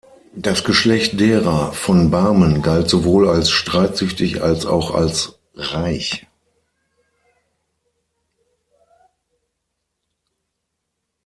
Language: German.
Das Geschlecht derer von Barmen galt sowohl als streitsüchtig als auch als reich.